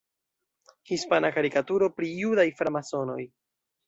Hispana karikaturo pri "judaj framasonoj".